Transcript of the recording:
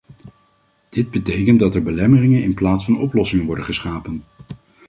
Dit betekent dat er belemmeringen in plaats van oplossingen worden geschapen.